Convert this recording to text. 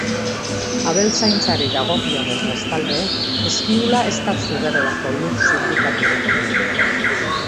Abeltzaintzari dagokionez, bestalde, Eskiula ez da Zuberoako lur sindikatuko kide.